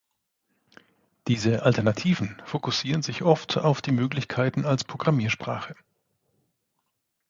Diese Alternativen fokussieren sich oft auf die Möglichkeiten als Programmiersprache.